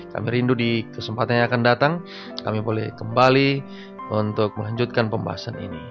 kami rindu di kesempatan yang akan datang kami boleh kembali untuk melanjutkan pembahasan ini